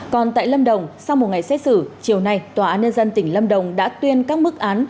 còn tại lâm đồng sau một ngày xét xử chiều nay tòa án nhân dân tỉnh lâm đồng đã tuyên các mức án